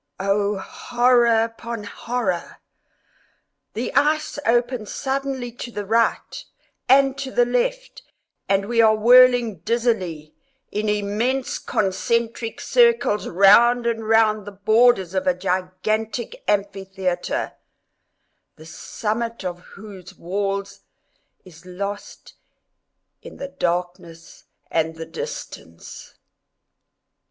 Oh, horror upon horror!—the ice opens suddenly to the right, and to the left, and we are whirling dizzily, in immense concentric circles, round and round the borders of a gigantic amphitheatre, the summit of whose walls is lost in the darkness and the distance.